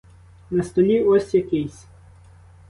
На столі ось якийсь.